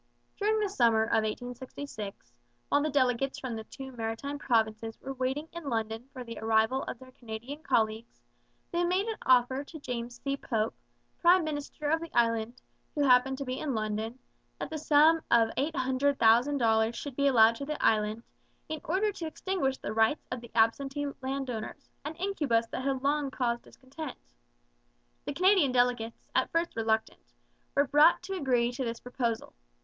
During the summer of 1866, while the delegates from the two maritime provinces were waiting in London for the arrival of their Canadian colleagues, they made an offer to James C. Pope, prime minister of the Island, who happened to be in London, that the sum of $800,000 should be allowed the Island, in order to extinguish the rights of the absentee land owners, an incubus that had long caused discontent. The Canadian delegates, at first reluctant, were brought to agree to this proposal.